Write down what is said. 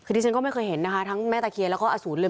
คือที่ฉันก็ไม่เคยเห็นนะคะทั้งแม่ตะเคียนแล้วก็อสูรเลย